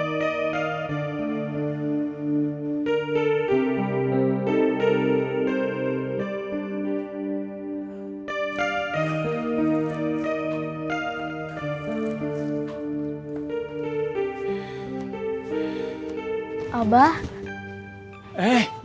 dari mana kau bisa tahu